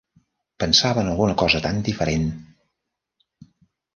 Pensava en alguna cosa tan diferent!